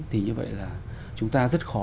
thì như vậy là chúng ta rất khó